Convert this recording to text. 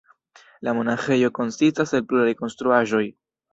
La monaĥejo konsistas el pluraj konstruaĵoj.